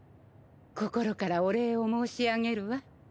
心からお礼を申し上げるわ。